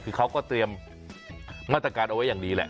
คือเขาก็เตรียมมาตรการเอาไว้อย่างดีแหละ